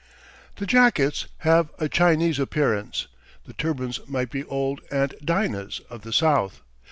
The jackets have a Chinese appearance. The turbans might be old Aunt Dinah's of the South.